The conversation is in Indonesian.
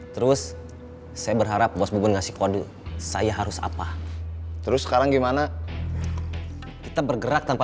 terus saya berharap bos bubun ngasih kode saya harus apa terus sekarang gimana kita bergerak tanpa